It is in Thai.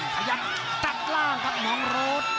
ขยับตัดล่างครับน้องโรด